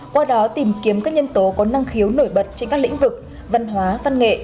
qua đó tìm kiếm các nhân tố có năng khiếu nổi bật trên các lĩnh vực văn hóa văn nghệ